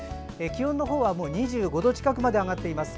気温のほうはもう２５度近くまで上がっています。